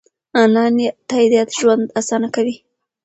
انلاین تادیات ژوند اسانه کوي.